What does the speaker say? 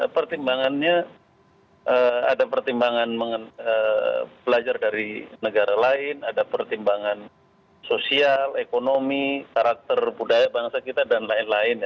pertimbangannya ada pertimbangan belajar dari negara lain ada pertimbangan sosial ekonomi karakter budaya bangsa kita dan lain lain